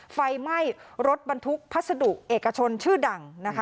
ไฟไหม้รถบรรทุกพัสดุเอกชนชื่อดังนะคะ